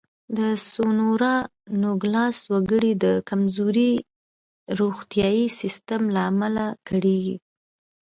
د سونورا نوګالس وګړي د کمزوري روغتیايي سیستم له امله کړېږي.